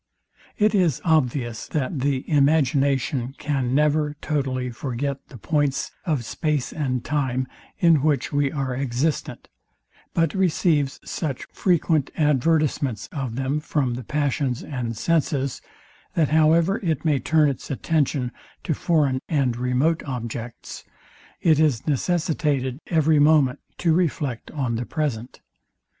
It is obvious, that the imagination can never totally forget the points of space and time, in which we are existent; but receives such frequent advertisements of them from the passions and senses, that however it may turn its attention to foreign and remote objects, it is necessitated every moment to reflect on the present.